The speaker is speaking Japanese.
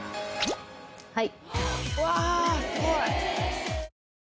はい。